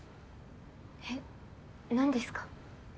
えっなんですか？